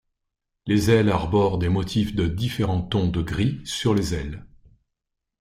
Les ailes arborent des motifs de différents tons de gris sur les ailes.